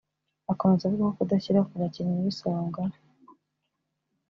Akomeza avuga ko kudashyira ku bakinnyi b’Isonga